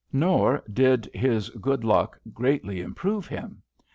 Nor did his good luck greatly improve him.